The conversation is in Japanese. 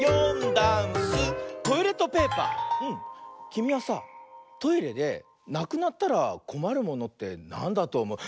きみはさトイレでなくなったらこまるものってなんだとおもう？